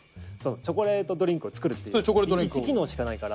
チョコレートドリンクを作るっていう１機能しかないから。